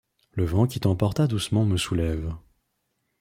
Le vent qui t'emporta doucement me soulève